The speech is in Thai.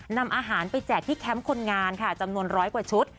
นำอาหารไปแจกที่แคมป์คนงานค่ะจำนวนร้อยกว่าชุด